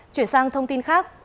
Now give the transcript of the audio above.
chuyển sang thông tin khác